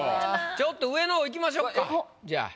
ちょっと上のほういきましょうかじゃあ。